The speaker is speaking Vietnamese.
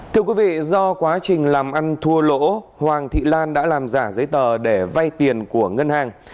thưa quý vị do quá trình làm ăn thua lỗ hoàng thị lan đã làm giả giấy tờ để vay tiền của ngân hàng